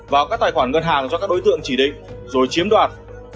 vào các tài khoản ngân hàng do các đối tượng chỉ định rồi chiếm đoạt